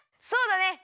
そうだね！